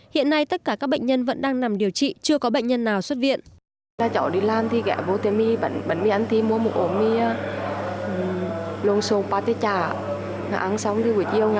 hiện nay tất cả các bệnh nhân vẫn đang nằm điều trị chưa có bệnh nhân nào xuất viện